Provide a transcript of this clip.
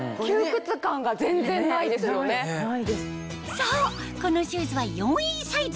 そうこのシューズは４Ｅサイズ